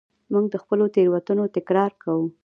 موږ د خپلو تېروتنو تکرار کوو.